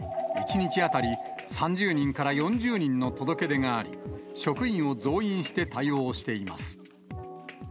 １日当たり３０人から４０人の届け出があり、職員を増員して対応しています。